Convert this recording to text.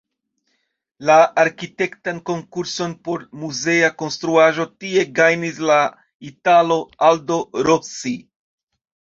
La arkitektan konkurson por muzea konstruaĵo tie gajnis la italo "Aldo Rossi".